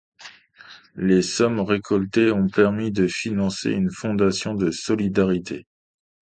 Les sommes récoltées ont permis de financer une fondation de solidarité.